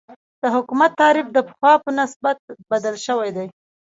د حکومت تعریف د پخوا په نسبت بدل شوی دی.